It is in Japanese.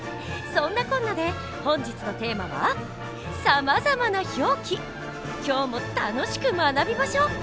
そんなこんなで本日のテーマは今日も楽しく学びましょう！